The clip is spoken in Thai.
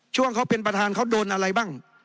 ช่วงเขาเป็นประธานเขาโดนอะไรบ้าง